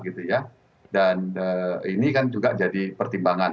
ini kan juga jadi pertimbangan